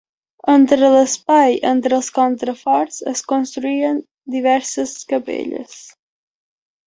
Entre l'espai entre els contraforts es construïren diverses capelles.